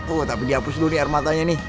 oh tapi dihapus dulu nih armatanya nih